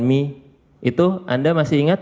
mie itu anda masih ingat